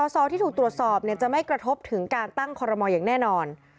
สอที่ถูกตรวจสอบจะไม่กระทบถึงการตั้งคอรมอลอย่างแน่นอน